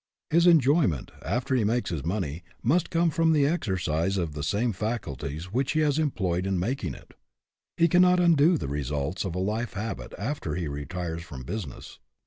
His enjoyment, after he makes his money, must come from the exercise of the same facul ties which he has employed in making it. He cannot undo the results of a life habit after he retires from business.